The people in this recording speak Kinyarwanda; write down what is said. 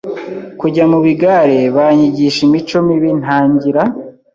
kujya mu bigare banyigisha imico mibi ntangira